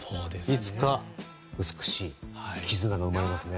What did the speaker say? いつか、美しい絆が生まれますね。